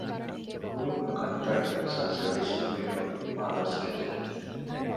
ކުރެވުނުކަންތައް އިހުސާސްވެ ވިސްނުނުއިރު މާލަސްވެއްޖެ